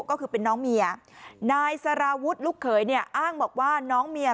ก็คือเป็นน้องเมียนายสารวุฒิลูกเขยเนี่ยอ้างบอกว่าน้องเมีย